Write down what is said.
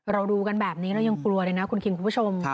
เราดูกันแบบนี้เรายังกลัวเลยนะคุณคิงคุณผู้ชม